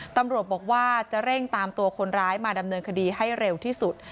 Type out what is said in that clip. ตำรวจบอกว่าจะเร่งตามตัวคนร้ายมาดำเนินคดีให้เร็วที่สุด